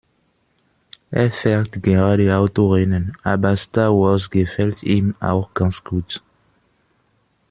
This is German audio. Er fährt gerade Autorennen, aber Star Wars gefällt ihm auch ganz gut.